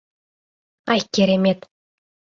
Ай, керемет!..